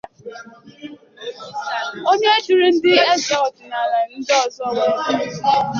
onye duru ndị eze ọdịnala ndị ọzọ wee bịa